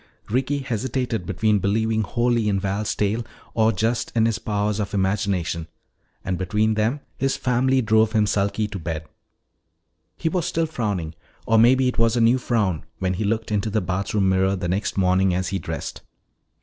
Ricky hesitated between believing wholly in Val's tale or just in his powers of imagination. And between them his family drove him sulky to bed. He was still frowning, or maybe it was a new frown, when he looked into the bathroom mirror the next morning as he dressed.